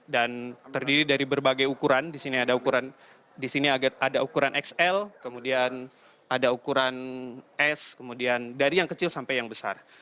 dan terdiri dari berbagai ukuran disini ada ukuran xl kemudian ada ukuran s kemudian dari yang kecil sampai yang besar